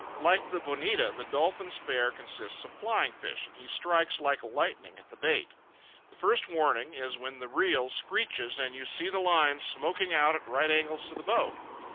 Like the bonita, the dolphin's fare consists of flying fish, and he strikes like lightning at the bait. The first warning is when the reel screeches and you see the line smoking out at right angles to the boat.